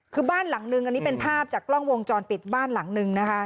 คือบ้านหลังนึงอันนี้เป็นภาพจากกล้องวงจรปิดบ้านหลังนึงนะคะ